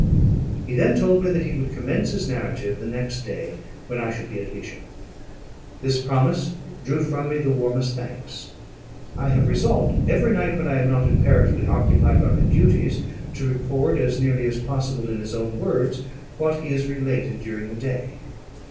He then told me, that he would commence his narrative the next day when I should be at leisure. This promise drew from me the warmest thanks. I have resolved every night, when I am not imperatively occupied by my duties, to record, as nearly as possible in his own words, what he has related during the day.